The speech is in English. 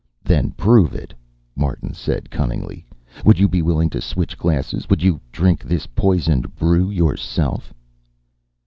"Then prove it!" Martin said cunningly. "Would you be willing to switch glasses? Would you drink this poisoned brew yourself?"